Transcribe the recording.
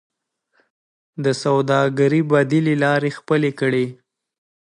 د سوداګرۍ بدیلې لارې خپلې کړئ